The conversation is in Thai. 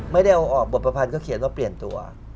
ไม่ได้เอาออกบทประพันธ์ก็เขียนว่าเปลี่ยนตัว